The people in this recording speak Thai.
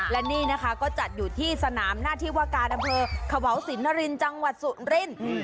และนี่นะคะก็จัดอยู่ที่สนามหน้าที่วาการอำเภอขวาวสินนรินจังหวัดสุรินทร์